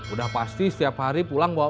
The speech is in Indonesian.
udah pasti setiap hari pulang bawa